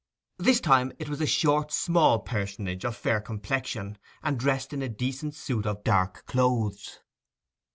This time it was a short, small personage, of fair complexion, and dressed in a decent suit of dark clothes.